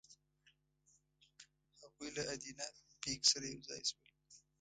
هغوی له ادینه بېګ سره یو ځای شول.